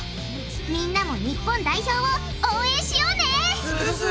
みんなも日本代表を応援しようねするする！